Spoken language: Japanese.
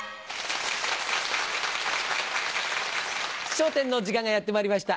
『笑点』の時間がやってまいりました。